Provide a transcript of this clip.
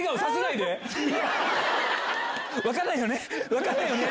「分かんないよね」